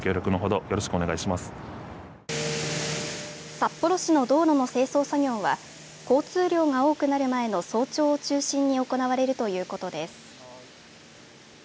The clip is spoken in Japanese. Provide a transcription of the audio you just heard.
札幌市の道路の清掃作業は交通量が多くなる前の早朝を中心に行われるということです。